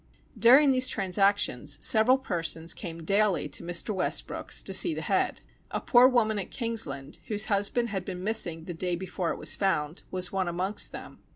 During these transactions, several persons came daily to Mr. Westbrook's to see the head. A poor woman at Kingsland, whose husband had been missing the day before it was found, was one amongst them.